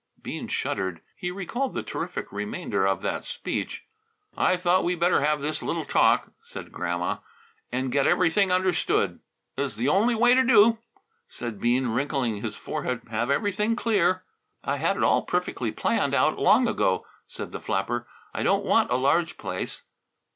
Bean shuddered. He recalled the terrific remainder of that speech. "I thought we better have this little talk," said Grandma, "and get everything understood." "'S the only way to do," said Bean, wrinkling his forehead, "have everything clear." "I had it all perfectly planned out long ago," said the flapper. "I don't want a large place."